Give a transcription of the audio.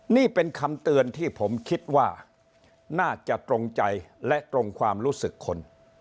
นี่เป็นคำเตือนที่ผมคิดว่าน่าจะตรงใจและตรงความรู้สึกคน